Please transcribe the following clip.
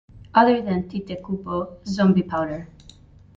Other than Tite Kubo, Zombiepowder.